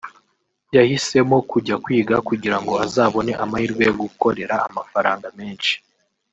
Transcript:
yahisemo kujya kwiga kugira ngo azabone amahirwe yo gukorera amafaranga menshi